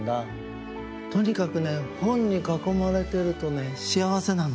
とにかくね本にかこまれてるとね幸せなの。